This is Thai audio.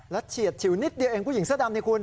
แล้วเฉียดฉิวนิดเดียวเองผู้หญิงเสื้อดำนี่คุณ